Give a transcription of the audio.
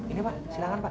ini pak silahkan pak